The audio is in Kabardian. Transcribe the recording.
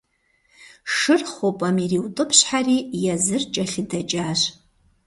Шыр хъупӏэм ириутӏыпщхьэри, езыр кӏэлъыдэкӏащ.